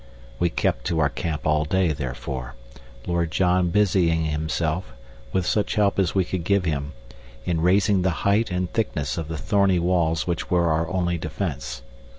We kept to our camp all day, therefore, Lord John busying himself, with such help as we could give him, in raising the height and thickness of the thorny walls which were our only defense.